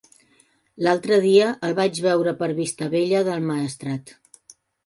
L'altre dia el vaig veure per Vistabella del Maestrat.